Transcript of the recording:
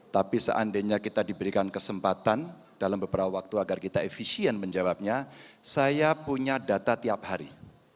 tapi seandainya kita diberikan kesempatan dalam beberapa waktu agar kita efisien menjawabnya saya punya data tiap hari